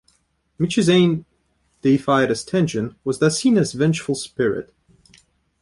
Michizane, deified as Tenjin, was thus seen as a vengeful spirit.